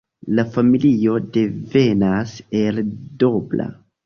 La familio devenas el Dobra.